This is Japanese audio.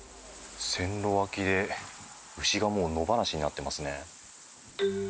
線路脇で、牛がもう野放しになってますね。